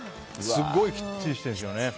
すごいきっちりしてるんでしょうね。